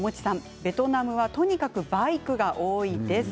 ベトナムはとにかくバイクが多いです。